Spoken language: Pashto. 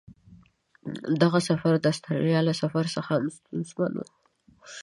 دغه سفر د استرالیا له سفر څخه هم ستونزمن و.